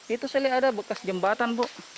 itu sering ada bekas jembatan bu